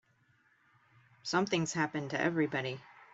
Something's happened to everybody.